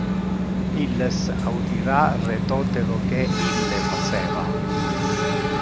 Illes audira re tote lo que ille faceva.